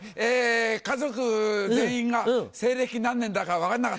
家族全員が西暦何年だか分かんなかった。